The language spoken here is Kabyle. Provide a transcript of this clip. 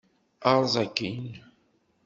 Erẓ akkin!